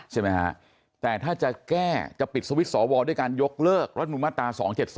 ใช่ไหมฮะแต่ถ้าจะแก้จะปิดสวิตช์สวด้วยการยกเลิกรัฐมนุนมาตรา๒๗๒